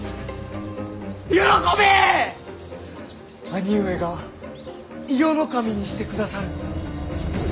兄上が伊予守にしてくださる。